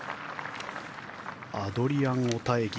アドリアン・オタエギ。